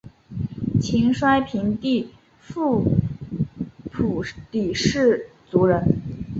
秦哀平帝苻丕氐族人。